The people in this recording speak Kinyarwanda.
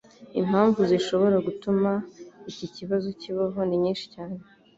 Impamvu zishobora gutuma iki kibazo kibaho ni nyinshi cyane